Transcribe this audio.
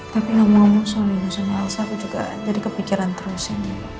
tapi ngomong ngomong soal nino sama elsa aku juga jadi kepikiran terus ya